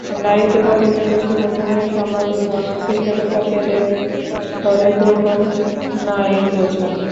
নারীতে পদোন্নতির অশুভক্ষণে সমাজ বোনাস হিসেবে চাপিয়ে দেয় হরেক রকম না-এর বোঝা।